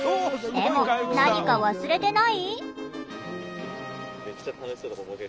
でも何か忘れてない？